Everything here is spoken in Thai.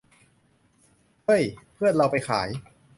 เฮ้ย เพื่อนเราไปขาย